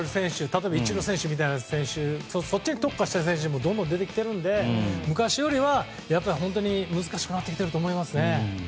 例えばイチロー選手みたいな選手そっちに特化している選手はどんどん出てきているので昔よりは難しくなってきていると思いますね。